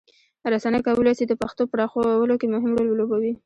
رسنۍ کولی سي د پښتو پراخولو کې مهم رول ولوبوي.